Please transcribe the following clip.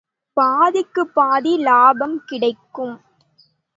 பாதிக்குப் பாதி லாபம் கிடைக்கும்.